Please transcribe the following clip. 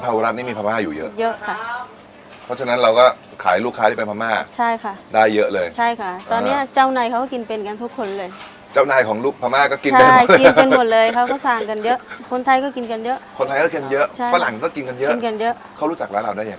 พระมากก็มีเยอะนะคะแล้วก็ทุกฝรั่งก็กินเป็นมาก